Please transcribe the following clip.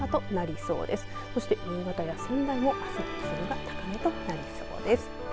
そして新潟や仙台も気温が高くなりそうです。